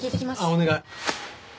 お願い。